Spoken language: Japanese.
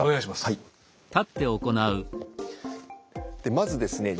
まずですね